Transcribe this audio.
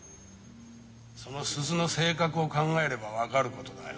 その鈴の性格を考えればわかることだよ。